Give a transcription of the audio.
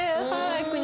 はい。